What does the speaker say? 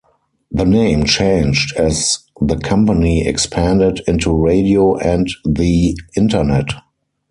The name changed as the company expanded into radio and the Internet.